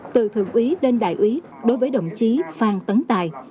từ thường úy đến đại úy đối với đồng chí phan tấn tài